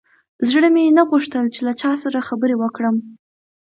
زړه مې نه غوښتل چې له چا سره خبرې وکړم.